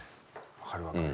分かる分かる。